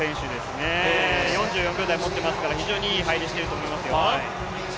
４４秒台持っていますから、非常にいい入りをしていますよ。